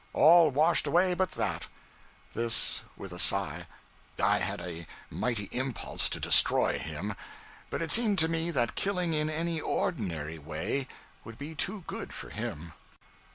All washed away but that.' [This with a sigh.] I had a mighty impulse to destroy him, but it seemed to me that killing, in any ordinary way, would be too good for him.